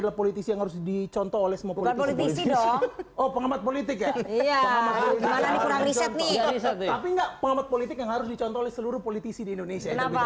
tapi enggak pengamat politik yang harus dicontoh oleh seluruh politisi di indonesia